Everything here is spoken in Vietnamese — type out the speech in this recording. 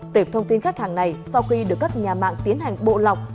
tệp thông tin khách hàng này sau khi được các nhà mạng tiến hành bộ lọc